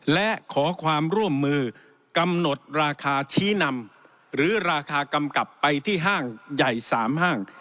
และขอความร่วมมือกำหนดราคาชี้นำหรือราคากำกับไปที่ห้างใหญ่๓ห้าง